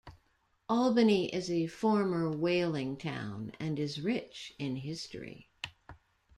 Albany is a former whaling town and is rich in history.